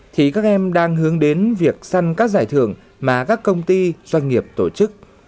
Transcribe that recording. thì các em đang hướng đến việc săn các giải thưởng mà các công ty doanh nghiệp tổ chức